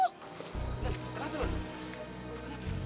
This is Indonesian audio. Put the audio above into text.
nuh kenapa tuh